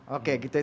oke gitu ya